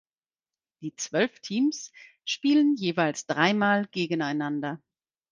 Die zwölf Teams spielen jeweils dreimal gegeneinander.